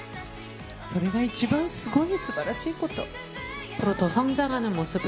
それが一番すごい、すばらしいこと。